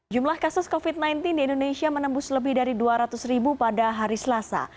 jumlah kasus covid sembilan belas di indonesia menembus lebih dari dua ratus ribu pada hari selasa